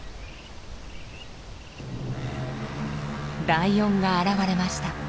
ライオンが現れました。